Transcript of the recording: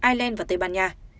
ireland và tây ban nha